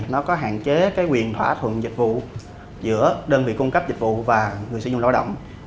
nó có hạn chế cái quyền thỏa thuận dịch vụ giữa đơn vị cung cấp dịch vụ và người sử dụng lao động